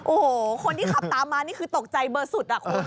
โอ้โหคนที่ขับตามมาตกใจเบอร์สุด